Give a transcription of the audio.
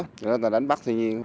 chúng ta đánh bắt thiên nhiên